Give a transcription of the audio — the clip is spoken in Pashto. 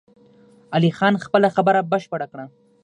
علي خان خپله خبره بشپړه کړه!